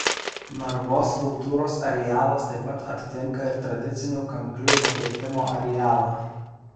Narvos kultūros arealas taip pat atitinka ir tradicinių kanklių paplitimo arealą.